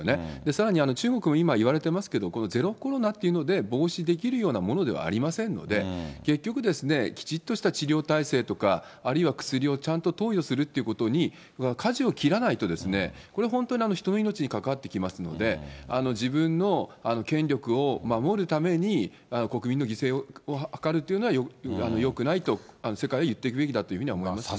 さらに中国も今、言われていますけど、このゼロコロナっていうので防止できるようなものではありませんので、結局、きちっとした治療体制とかあるいは薬をちゃんと投与するっていうことにかじを切らないと、これ、本当に人の命に関わってきますので、自分の権力を守るために、国民の犠牲を図るというのはよくないと、世界は言っていくべきだと思いますね。